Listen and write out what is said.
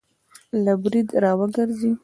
له برید را وګرځي